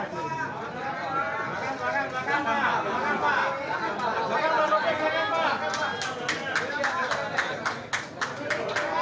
terima kasih pak